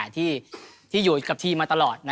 ที่อยู่กับทีมมาตลอด